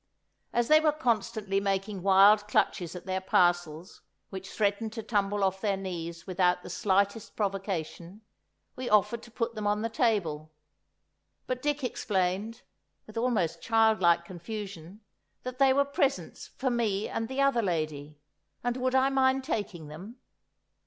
As they were constantly making wild clutches at their parcels which threatened to tumble off their knees without the slightest provocation, we offered to put them on the table. But Dick explained, with almost child like confusion, that they were presents for me and the other lady. And would I mind taking them?